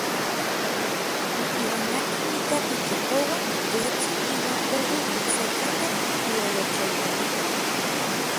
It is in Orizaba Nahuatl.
Iuan akin ika titlapouaj, yejtsin inuan poui okse tlakatl iolocholkoneuan.